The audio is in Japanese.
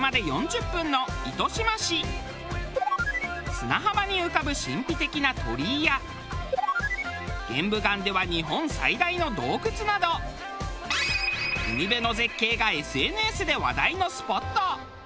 砂浜に浮かぶ神秘的な鳥居や玄武岩では日本最大の洞窟など海辺の絶景がＳＮＳで話題のスポット。